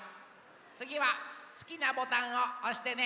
つぎはすきなボタンをおしてね。